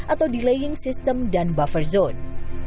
atau delaying system dan buffer zone